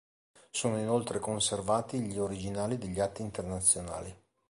Sono inoltre conservati gli originali degli atti internazionali.